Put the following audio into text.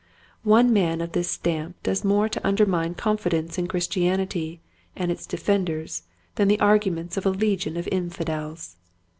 One man of this stamp does more to un dermine confidence in Christianity and its defenders than the arguments of a legion of infidels.